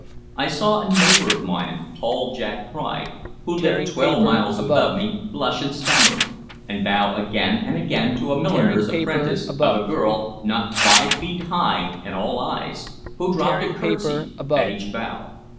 I saw a neighbor of mine, tall Jack Pride, who lived twelve miles above me, blush and stammer, and bow again and again to a milliner's apprentice of a girl, not five feet high and all eyes, who dropped a curtsy at each bow.